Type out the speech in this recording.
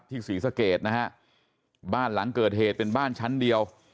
ศรีสะเกดนะฮะบ้านหลังเกิดเหตุเป็นบ้านชั้นเดียว